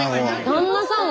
旦那さん